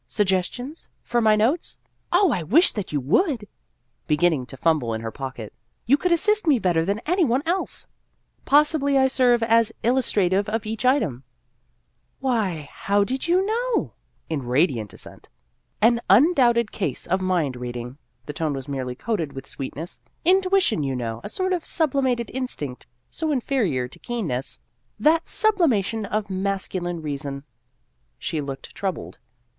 " Suggestions for my notes ? Oh, I wish that you would !" beginning to fumble in her pocket ;" you could assist me better than any one else." " Possibly I serve as illustrative of each item ?"" Why, how did you know ?" in radiant assent. "An undoubted case of mind reading" the tone was merely coated with sweetness; " intuition, you know, a sort of sublimated instinct, so inferior to keenness that sub limation of masculine reason." She looked troubled.